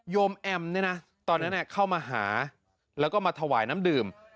แอมเนี่ยนะตอนนั้นเข้ามาหาแล้วก็มาถวายน้ำดื่ม